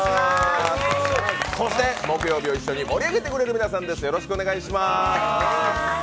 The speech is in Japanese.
そして木曜日を一緒に盛り上げてくれる皆さんです、よろしくお願いします。